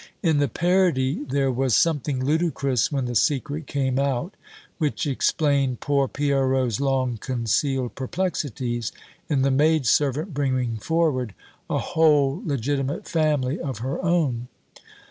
In the parody there was something ludicrous when the secret came out which explained poor Pierrot's long concealed perplexities, in the maid servant bringing forward a whole legitimate family of her own!